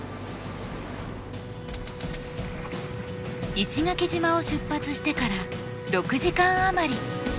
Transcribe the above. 石垣島を出発してから６時間余り。